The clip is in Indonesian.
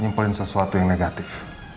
nyimpulin sesuatu yang negatif